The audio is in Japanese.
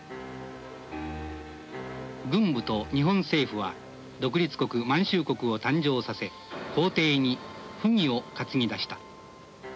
軍部と日本政府は独立国満州国を誕生させ皇帝に溥儀を担ぎ出した。